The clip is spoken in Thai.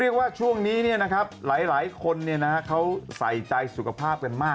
เรียกว่าช่วงนี้นะครับหลายคนเนี่ยนะเขาใส่ใจสุขภาพกันมากขึ้น